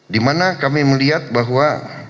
di mana kami melihat bahwa